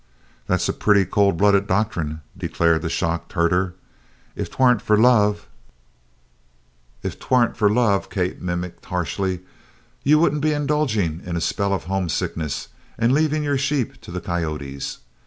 "That's a pretty cold blooded doctrind," declared the shocked herder. "If 'twant for love " "If 'twant for love," Kate mimicked harshly, "you wouldn't be indulging in a spell of homesickness and leaving your sheep to the coyotes!